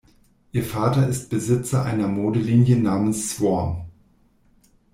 Ihr Vater ist Besitzer einer Modelinie namens "Swarm".